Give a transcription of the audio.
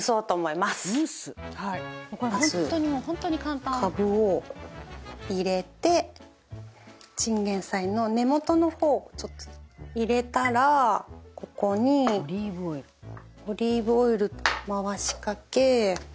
まずカブを入れてチンゲンサイの根元の方ちょっと入れたらここにオリーブオイル回しかけ。